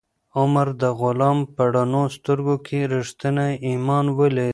عمر د غلام په رڼو سترګو کې ریښتینی ایمان ولید.